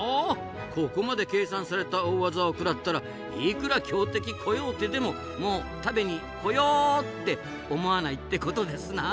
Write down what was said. ここまで計算された大技を食らったらいくら強敵コヨーテでももう食べにコヨーって思わないってことですな。